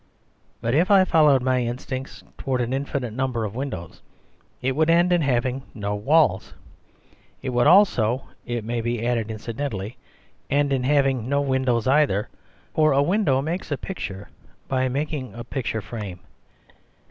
But if I followed my instinct towards an infinite number of windows, it would end in having no walls. It would also (it may be added incidentally) end in having no windows either; for a window makes a picture by mak ing a picture frame.